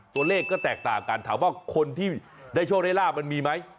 ตัวเลขก็แตกต่างกันถามว่าคนที่ได้โชคได้ลาบมันมีไหม